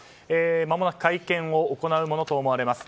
まもなく会見を行うものと思われます。